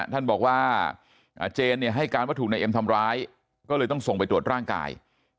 ท่านบอกว่าเจนให้การว่าถูกนายเอ็มทำร้ายก็เลยต้องส่งไปตรวจร่างกาย